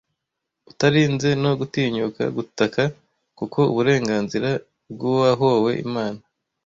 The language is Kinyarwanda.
utarinze no gutinyuka gutaka kuko uburenganzira bwuwahowe imana